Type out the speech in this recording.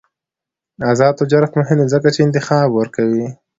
آزاد تجارت مهم دی ځکه چې انتخاب ورکوي.